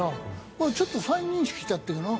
ちょっと再認識しちゃったよな。